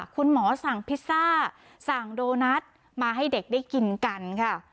คุณหมอสั่งพิซซ่าสั่งโดนัทมาให้เด็กได้กินกันค่ะ